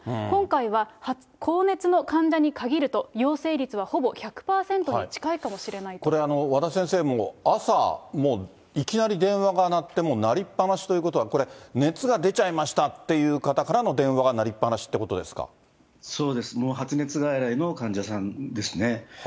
今回は高熱の患者に限ると、陽性率はほぼ１００％に近いかもしれこれ、和田先生も朝、もういきなり電話が鳴って、もう鳴りっ放しということは、これ、熱が出ちゃいましたっていう方からの電話が鳴りっ放しということそうです、もう発熱外来の患者さんですね。